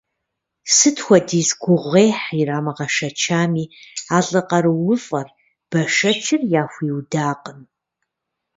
Сыт хуэдиз гугъуехь ирамыгъэшэчами, а лӏы къарууфӏэр, бэшэчыр яхуиудакъым.